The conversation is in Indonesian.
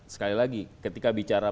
sekali lagi ketika bicara